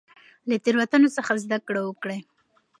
له تیروتنو څخه زده کړه وکړئ.